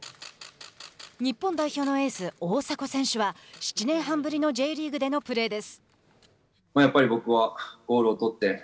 日本代表のエース大迫選手は７年半ぶりでのＪリーグでのプレーです。